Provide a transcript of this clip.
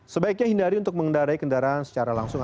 sebaiknya hindari untuk mengendarai kendaraan secara langsung